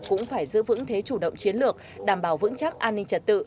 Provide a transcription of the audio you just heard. cũng phải giữ vững thế chủ động chiến lược đảm bảo vững chắc an ninh trật tự